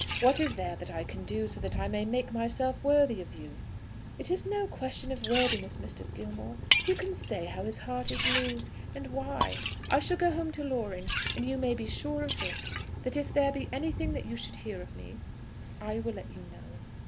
What is there that I can do, so that I may make myself worthy of you?" "It is no question of worthiness, Mr. Gilmore. Who can say how his heart is moved, and why? I shall go home to Loring; and you may be sure of this, that if there be anything that you should hear of me, I will let you know."